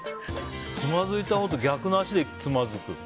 つまずいたほうと逆の足でつまずく。